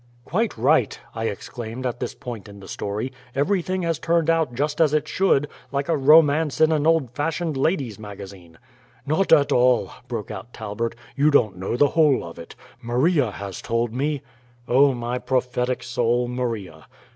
"Quite right," I exclaimed at this point in the story. "Everything has turned out just as it should, like a romance in an old fashioned ladies' magazine." "Not at all," broke out Talbert; "you don't know the whole of it, Maria has told me" (oh, my prophetic soul, Maria!)